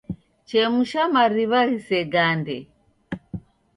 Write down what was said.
Chemusha mariw'a ghisegande.